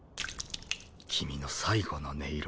君の最後の音色。